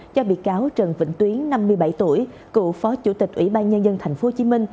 cho bị cáo trần vĩnh tuyến năm mươi bảy tuổi cựu phó chủ tịch ủy ban nhân dân tp hcm